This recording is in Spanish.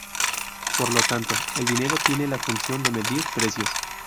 Por lo tanto, el dinero tiene la función de medir precios.